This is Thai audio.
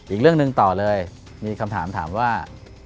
อีกเรื่องหนึ่งต่อเลยมีคำถามถามว่า